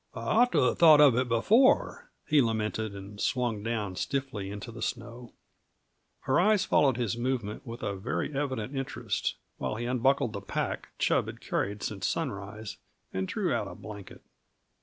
"I ought to have thought of it before," he lamented, and swung down stiffly into the snow. Her eyes followed his movement with a very evident interest while he unbuckled the pack Chub had carried since sunrise and drew out a blanket.